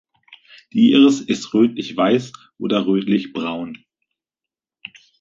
Die Iris ist rötlich-weiß oder rötlich-braun.